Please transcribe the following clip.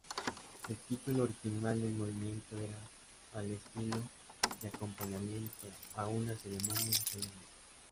El título original del movimiento era "Al estilo de acompañamiento a una ceremonia solemne".